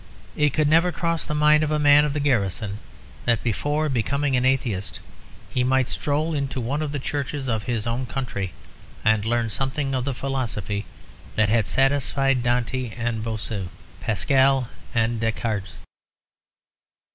It could never cross the mind of a man of the Garrison that before becoming an atheist he might stroll into one of the churches of his own country, and learn something of the philosophy that had satisfied Dante and Bossuet, Pascal and Descartes.